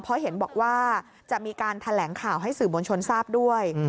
เพราะเห็นบอกว่าจะมีการแถลงข่าวให้สื่อมวลชนทราบด้วย